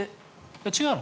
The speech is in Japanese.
違うの？